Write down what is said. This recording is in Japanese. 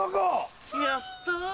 やった！